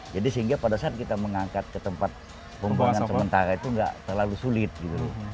jadi sehingga pada saat kita mengangkat ke tempat pembuangan sementara itu gak terlalu sulit gitu